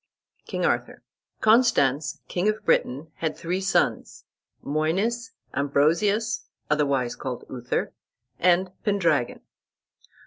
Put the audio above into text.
KING ARTHUR Constans, king of Britain, had three sons, Moines, Ambrosius, otherwise called Uther, and Pendragon.